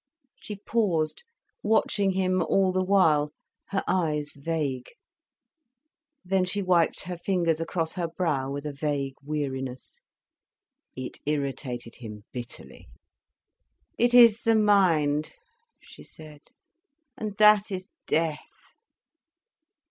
She paused, watching him all the while, her eyes vague. Then she wiped her fingers across her brow, with a vague weariness. It irritated him bitterly. "It is the mind," she said, "and that is death."